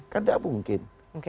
kan gak mungkin